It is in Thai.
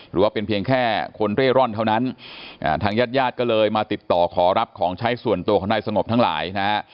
หรือว่าเป็นเพียงแค่คนเร่ร่อนเท่านั้นทางญาติญาติก็เลยมาติดต่อขอรับของใช้ส่วนตัวของนายสงบทั้งหลายนะฮะ